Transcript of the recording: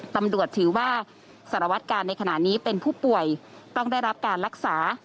ตำรวจถือว่าสารวัตการณ์ในขณะนี้เป็นผู้ป่วยต้องได้รับการรักษา